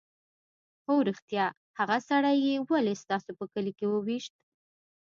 _هو رښتيا! هغه سړی يې ولې ستاسو په کلي کې وويشت؟